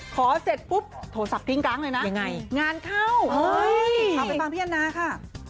เสร็จปุ๊บโทรศัพท์ทิ้งกลางเลยนะยังไงงานเข้าเอาไปฟังพี่แอนนาค่ะ